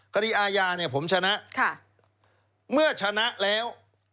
คดีอายาผมชนะเมื่อชนะแล้ว